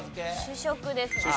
主食ですね。